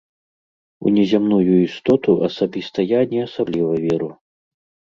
У незямную істоту асабіста я не асабліва веру.